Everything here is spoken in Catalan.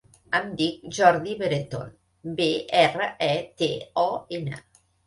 Em dic Jordi Breton: be, erra, e, te, o, ena.